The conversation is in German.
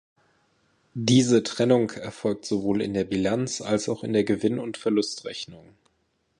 Diese Trennung erfolgt sowohl in der Bilanz als auch in der Gewinn- und Verlustrechnung.